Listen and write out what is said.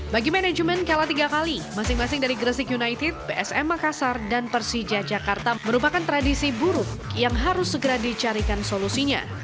bagi manajemen kalah tiga kali masing masing dari gresik united psm makassar dan persija jakarta merupakan tradisi buruk yang harus segera dicarikan solusinya